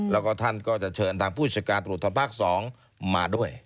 แล้วก็ท่านก็จะเชิญทางผู้จัดการตรวจทางภาค๒มาด้วย